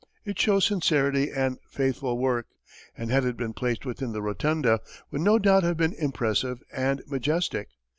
It shows sincerity and faithful work, and had it been placed within the rotunda, would no doubt have been impressive and majestic.